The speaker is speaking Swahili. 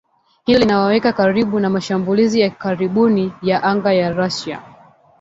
Hilo linawaweka karibu na mashambulizi ya karibuni ya anga ya Russia